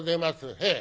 へえ」。